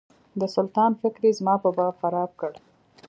د سلطان فکر یې زما په باب خراب کړ.